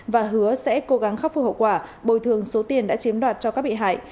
và hứa sẽ cố gắng khắc phục hậu quả bồi thường số tiền đã chiếm đoạt cho các bị hại